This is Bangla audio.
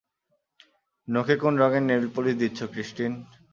নখে কোন রঙের নেইলপলিশ দিচ্ছ, ক্রিস্টিন?